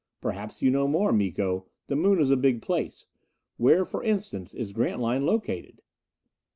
"Perhaps you know more, Miko. The Moon is a big place. Where, for instance, is Grantline located?"